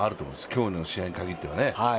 今日の試合に限ってはね。